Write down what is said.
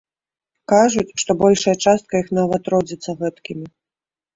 Кажуць, што большая частка іх нават родзіцца гэткімі.